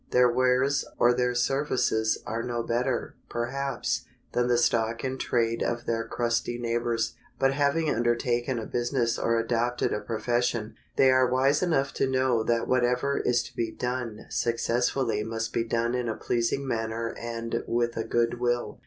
Their wares or their services are no better, perhaps, than the stock in trade of their crusty neighbors; but having undertaken a business or adopted a profession, they are wise enough to know that whatever is to be done successfully must be done in a pleasing manner and with a good will.